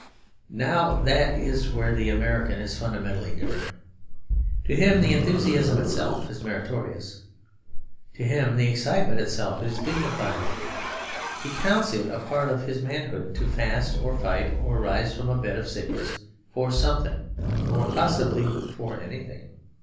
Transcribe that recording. Now that is where the American is fundamentally different. To him the enthusiasm itself is meritorious. To him the excitement itself is dignified. He counts it a part of his manhood to fast or fight or rise from a bed of sickness for something, or possibly for anything.